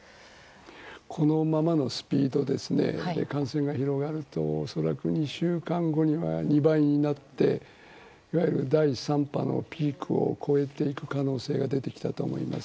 このままのスピードで感染が広がると恐らく２週間後には２倍になっていわゆる第３波のピークを超えていく可能性が出てきたと思います。